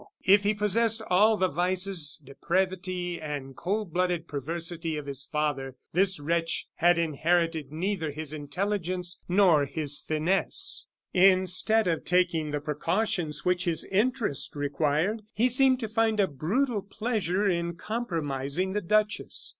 If he possessed all the vices, depravity, and coldblooded perversity of his father, this wretch had inherited neither his intelligence nor his finesse. Instead of taking the precautions which his interest required, he seemed to find a brutal pleasure in compromising the duchess.